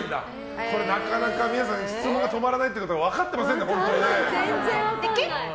これ、なかなか皆さん質問が止まらないってことは分かってませんね、本当にね。